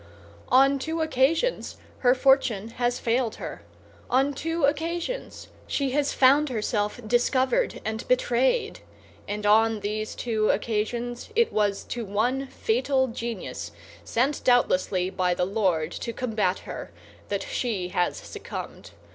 On two occasions her fortune has failed her, on two occasions she has found herself discovered and betrayed; and on these two occasions it was to one fatal genius, sent doubtlessly by the Lord to combat her, that she has succumbed.